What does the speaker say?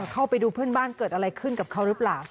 เข้าไปดูเพื่อนบ้านเกิดอะไรขึ้นกับเขาหรือเปล่า